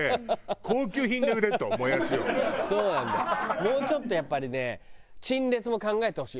もうちょっとやっぱりね陳列も考えてほしい。